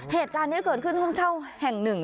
เหตุการณ์นี้เกิดขึ้นห้องเช่าแห่งหนึ่ง